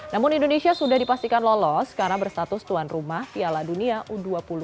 namun indonesia sudah dipastikan lolos karena berstatus tuan rumah piala dunia u dua puluh dua ribu dua puluh tiga